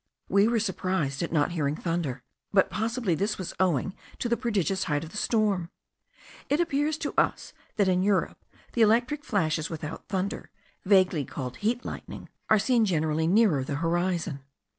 We were surprised at not hearing thunder; but possibly this was owing to the prodigious height of the storm? It appears to us, that in Europe the electric flashes without thunder, vaguely called heat lightning, are seen generally nearer the horizon.